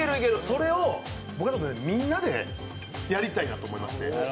それを僕らみんなでやりたいなと思いまして。